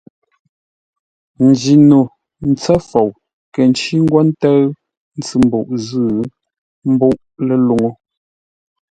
Njino ntsə́ fou nkə̂ ncí ńgwó ńtə́ʉ ntsʉ-mbuʼ zʉ́ ḿbúʼ ləluŋú.